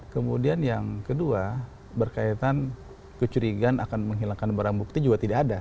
kemudian yang kedua berkaitan kecurigaan akan menghilangkan barang bukti juga tidak ada